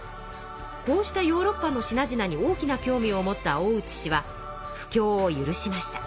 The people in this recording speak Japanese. こうしたヨーロッパの品々に大きな興味を持った大内氏は布教を許しました。